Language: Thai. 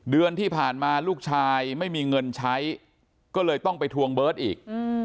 เดือนที่ผ่านมาลูกชายไม่มีเงินใช้ก็เลยต้องไปทวงเบิร์ตอีก